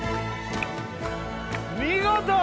見事！